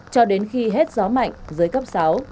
cho đến khi hết gió mạnh dưới cấp sáu